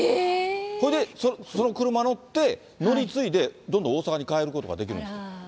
それで、その車乗って、乗り継いで、どんどん大阪に帰ることができるんです。